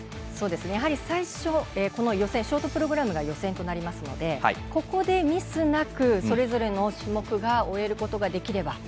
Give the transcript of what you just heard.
やはり、最初ショートプログラムが予選となりますのでここで、ミスなくそれぞれの種目を終えることができれば。